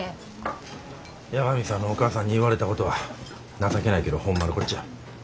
八神さんのお母さんに言われたことは情けないけどホンマのこっちゃ。